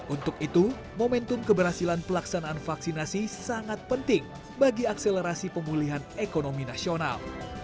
untuk itu momentum keberhasilan pelaksanaan vaksinasi sangat penting bagi akselerasi pemulihan ekonomi nasional